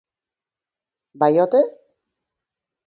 Bai ote?